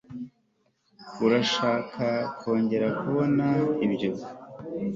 Urashaka kongera kubona ibyo